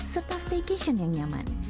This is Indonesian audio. serta staycation yang nyaman